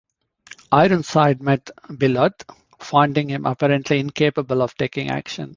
Ironside met Billotte, finding him apparently incapable of taking action.